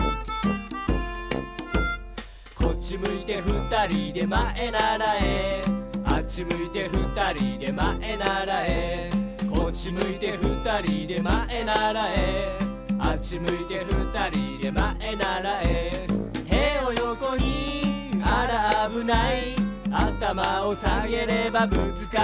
「こっちむいてふたりでまえならえ」「あっちむいてふたりでまえならえ」「こっちむいてふたりでまえならえ」「あっちむいてふたりでまえならえ」「てをよこにあらあぶない」「あたまをさげればぶつかりません」